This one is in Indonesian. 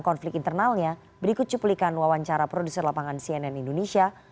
konflik internalnya berikut cuplikan wawancara produser lapangan cnn indonesia